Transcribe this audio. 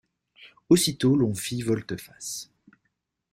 Aussitôt l'on fit volte-face.